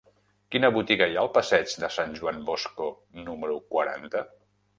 Quina botiga hi ha al passeig de Sant Joan Bosco número quaranta?